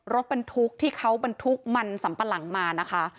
รถบรรทุกที่เขาบรรทุกมันสัมปะหลังมานะคะ